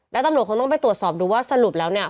แล้วตำรวจคงต้องไปตรวจสอบดูว่าสรุปแล้วเนี่ย